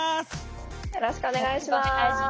よろしくお願いします。